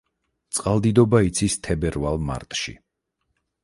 წყალდიდობა იცის თებერვალ-მარტში.